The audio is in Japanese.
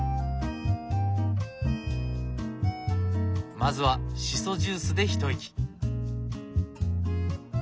まずはしそジュースで一息。